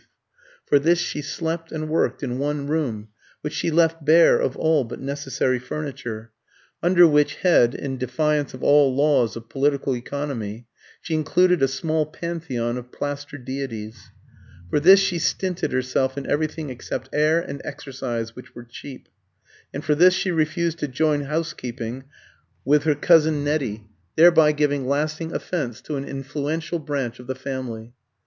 For this she slept and worked in one room, which she left bare of all but necessary furniture under which head, in defiance of all laws of political economy, she included a small Pantheon of plaster deities: for this she stinted herself in everything except air and exercise, which were cheap; and for this she refused to join housekeeping with her cousin Nettie, thereby giving lasting offence to an influential branch of the family.